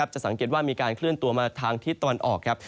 จะสังเกตว่ามีการเคลื่อนตัวมาทางทิศตะวันออกครับ